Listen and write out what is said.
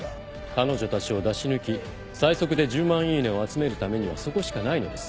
彼女たちを出し抜き最速で１０万イイネを集めるためにはそこしかないのです。